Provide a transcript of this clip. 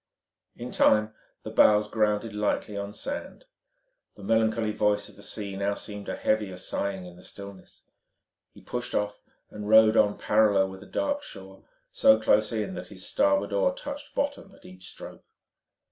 In time the bows grounded lightly on sand. The melancholy voice of the sea now seemed a heavier sighing in the stillness. He pushed off and rowed on parallel with a dark shore line, so close in that his starboard oar touched bottom at each stroke.